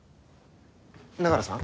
永浦さん。